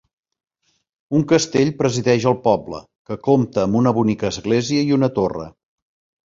Un castell presideix el poble, que compta amb una bonica església i una torre.